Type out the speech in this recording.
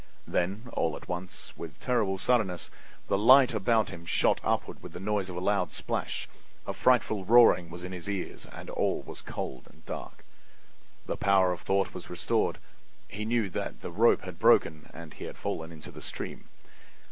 Then all at once, with terrible suddenness, the light about him shot upward with the noise of a loud splash; a frightful roaring was in his ears, and all was cold and dark. The power of thought was restored; he knew that the rope had broken and he had fallen into the stream.